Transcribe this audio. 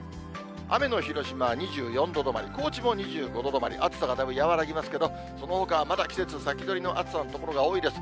雨の広島は２４度止まり、高知も２５度止まり、暑さがだいぶ和らぎますけれども、そのほかはまだ季節先取りの暑さの所が多いです。